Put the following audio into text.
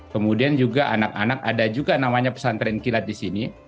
kemudian juga anak anak ada juga namanya pesantren kilat di sini